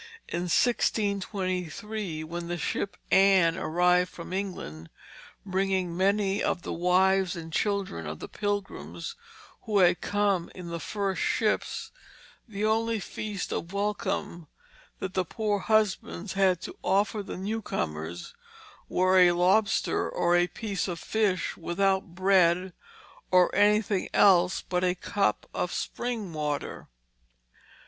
In 1623, when the ship Anne arrived from England, bringing many of the wives and children of the Pilgrims who had come in the first ships, the only feast of welcome that the poor husbands had to offer the newcomers was "a lobster or a piece of fish without bread or anything else but a cup of spring water."